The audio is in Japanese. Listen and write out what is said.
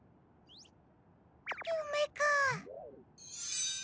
ゆめか。